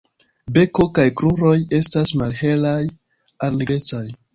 Beko kaj kruroj estas malhelaj al nigrecaj.